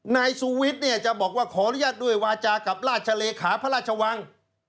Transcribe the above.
นายสุวิทย์เนี่ยจะบอกว่าขออนุญาตด้วยวาจากับราชเลขาพระราชวัง